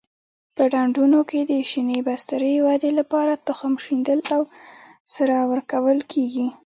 په ډنډونو کې د شینې بسترې ودې لپاره تخم شیندل او سره ورکول کېږي.